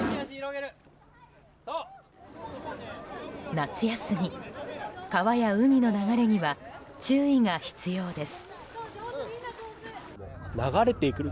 夏休み、川や海の流れには注意が必要です。